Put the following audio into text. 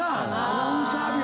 アナウンサー病。